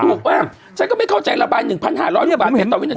ถูกบ้างฉันก็ไม่เข้าใจละบาน๑๕๐๐บาท